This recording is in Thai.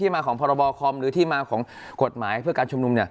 มาของพรบคอมหรือที่มาของกฎหมายเพื่อการชุมนุม